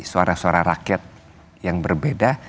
suara suara rakyat yang berbeda